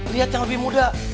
lihat yang lebih muda